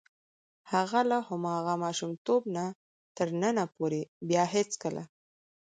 هغه له هماغه ماشومتوب نه تر ننه پورې بیا هېڅکله.